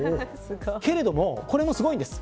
けれども、これもすごいんです。